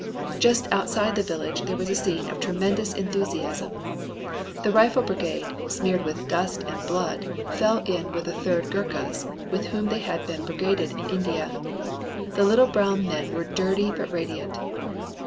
"Just outside the village there was a scene of tremendous enthusiasm. The Rifle Brigade, smeared with dust and blood, fell in with the Third Gurkhas with whom they had been brigaded in India. The little brown men were dirty but radiant.